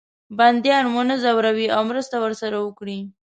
بندیان ونه زوروي او مرسته ورسره وکړي.